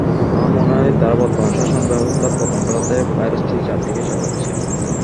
আমার মনে হয় তারা বর্তমান শাসন ব্যবস্থার পতন ঘটাতে ভাইরাসটি চারদিকে ছড়াচ্ছে।